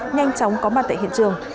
nhanh chóng có mặt tại hiện trường